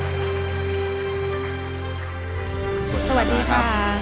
สวัสดีค่ะ